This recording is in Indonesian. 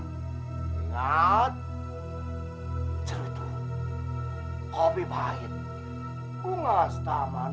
ingat cerutu kopi pahit bunga setaman